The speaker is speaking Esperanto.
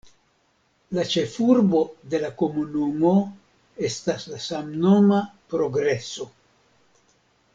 La ĉefurbo de la komunumo estas la samnoma Progreso.